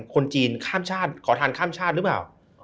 คนจีนข้ามชาติขอทานข้ามชาติหรือเปล่า